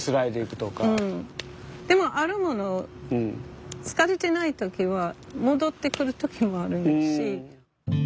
でもあるもの疲れてない時は戻ってくる時もあるし。